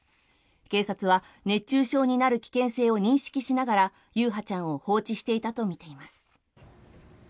警察は熱中症になる危険性を認識しながら優陽ちゃんを放置していたとみています。